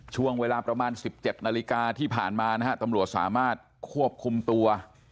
ช่วงเวลาประมาณ๑๗นาฬิกาที่ผ่านมานะฮะตำรวจสามารถควบคุมตัว